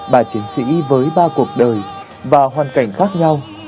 ba chiến sĩ với ba cuộc đời và hoàn cảnh khác nhau